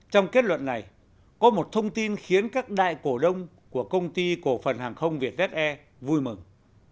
trong kết luận này có một thông tin khiến các đại cổ đông của công ty cổ phần hàng không vietjet air vui mừng